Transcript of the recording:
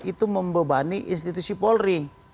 itu membebani institusi polri